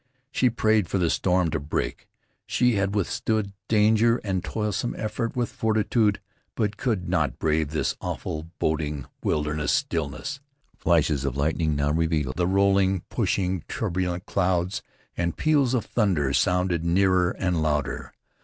She prayed for the storm to break. She had withstood danger and toilsome effort with fortitude; but could not brave this awful, boding, wilderness stillness. Flashes of lightning now revealed the rolling, pushing, turbulent clouds, and peals of thunder sounded nearer and louder.